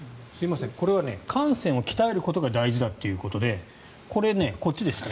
これは汗腺を鍛えることが大事だということでこれ、こっちでした。